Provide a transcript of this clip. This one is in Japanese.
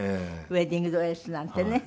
ウェディングドレスなんてね。